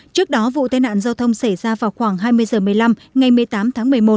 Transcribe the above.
trước đó vụ tai nạn giao thông xảy ra vào khoảng hai mươi h một mươi năm ngày một mươi tám tháng một mươi một